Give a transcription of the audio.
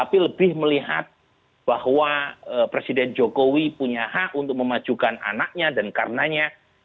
tapi lebih melihat bahwa presiden jokowi punya hak untuk memajukan anaknya dan karenanya